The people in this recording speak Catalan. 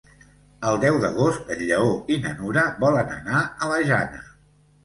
El deu d'agost en Lleó i na Nura volen anar a la Jana.